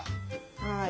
はい。